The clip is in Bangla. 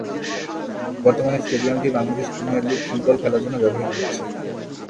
বর্তমানে স্টেডিয়ামটি বাংলাদেশ প্রিমিয়ার লিগ ফুটবল খেলার জন্য ব্যবহৃত হচ্ছে।